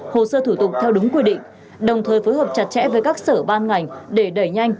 hồ sơ thủ tục theo đúng quy định đồng thời phối hợp chặt chẽ với các sở ban ngành để đẩy nhanh